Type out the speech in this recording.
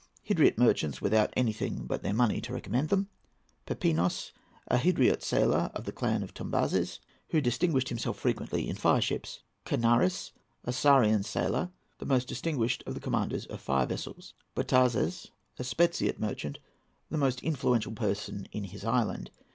—Hydriot merchants without anything but their money to recommend them. PEPINOS.—A Hydriot sailor of the clan of Tombazes, who has distinguished himself frequently in fireships. KANARIS.—A Psarian sailor; the most distinguished of the commanders of fire vessels. BOTAZES.—A Spetziot merchant; the most influential person in his island.